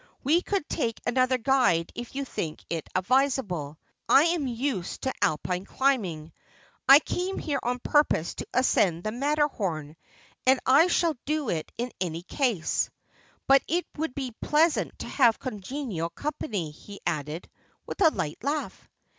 " We could take another guide if you think it advisable. I am used to Alpine climbing. I came here on purpose to ascend the Matterhorn, and I shall do it in any case ; but it would be pleasant to have congenial company," he added, with a light laugh.